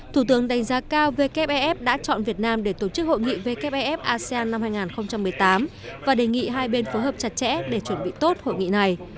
thủ tướng đánh giá cao wef đã chọn việt nam để tổ chức hội nghị wfef asean năm hai nghìn một mươi tám và đề nghị hai bên phối hợp chặt chẽ để chuẩn bị tốt hội nghị này